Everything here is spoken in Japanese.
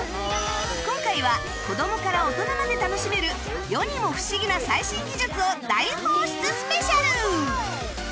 今回は子どもから大人まで楽しめる世にも不思議な最新技術を大放出スペシャル！